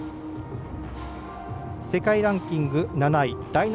世界ランキング７位第７